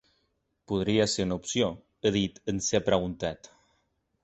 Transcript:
“Podria ser una opció”, ha dit en ser preguntat.